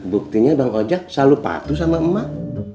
memangnya bapak sering bicara sama emak